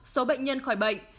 một số bệnh nhân khỏi bệnh